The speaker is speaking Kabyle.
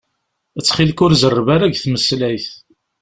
Ttxil-k, ur zerreb ara deg tmeslayt.